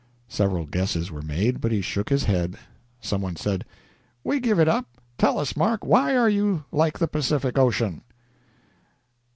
Several guesses were made, but he shook his head. Some one said: "We give it up. Tell us, Mark, why are you like the Pacific Ocean?"